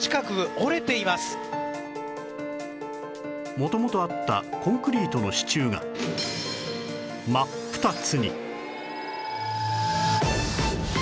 元々あったコンクリートの支柱が真っ二つに